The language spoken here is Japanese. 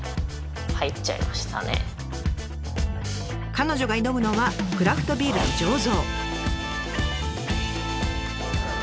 彼女が挑むのはクラフトビールの醸造。